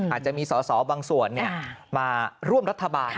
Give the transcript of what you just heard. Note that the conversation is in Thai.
อาจจะมีสอสอบางส่วนมาร่วมรัฐบาล